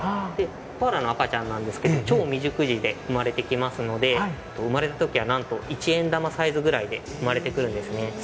コアラの赤ちゃんなんですけど、超未熟児で生まれてきますので、生まれたときはなんと一円玉サイズぐらいで生まれてくるんですね。